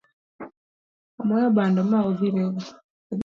Omoyo bando ma odhi rego